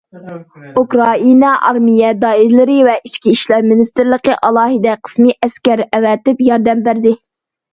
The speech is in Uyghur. ئۇكرائىنا ئارمىيە دائىرىلىرى ۋە ئىچكى ئىشلار مىنىستىرلىقى ئالاھىدە قىسمى ئەسكەر ئەۋەتىپ ياردەم بەردى.